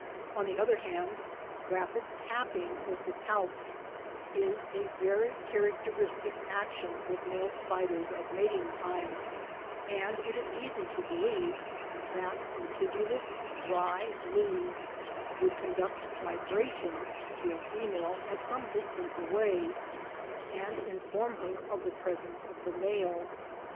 On the other hand rapid tapping with the palps is a very characteristic action with male spiders at mating time, and it is easy to believe that contiguous dry leaves would conduct vibrations to a female at some distance away and inform her of the presence of the male.